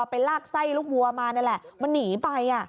ไปลากไส้ลูกวัวมานั่นแหละมันหนีไป